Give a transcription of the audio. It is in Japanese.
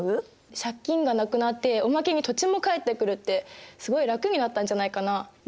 借金がなくなっておまけに土地も返ってくるってすごい楽になったんじゃないかな？ね。